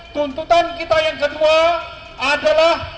tuntutan kita yang kedua adalah